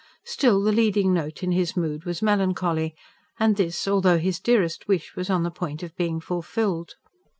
Still, the leading note in his mood was melancholy; and this, although his dearest wish was on the point of being fulfilled.